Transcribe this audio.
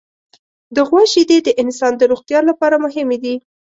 د غوا شیدې د انسان د روغتیا لپاره مهمې دي.